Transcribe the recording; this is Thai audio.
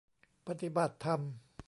ปฏิบัติธรรม